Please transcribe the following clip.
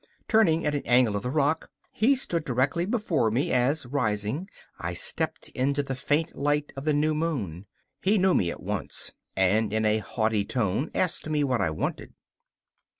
Turning at an angle of the rock, he stood directly before me as, rising, I stepped into the faint light of the new moon. He knew me at once, and in a haughty tone asked me what I wanted.